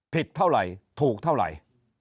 ผิดเท่าไหร่ถูกเท่าไหร่